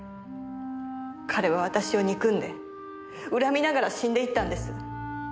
彼は私を憎んで恨みながら死んでいったんです。